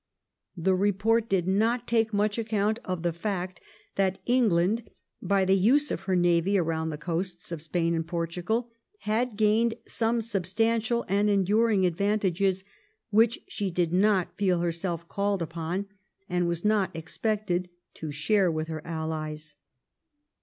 The report did not take much account of the fact that England, by the use of her navy around the coasts of Spain and Portugal, had gained some sub stantial and enduring advantages which she did not feel herself called upon, and was not expected, to share with her Allies.